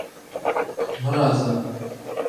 مه راځه!